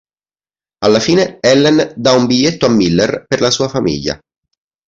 Alla fine Ellen dà un biglietto a Miller per la sua famiglia.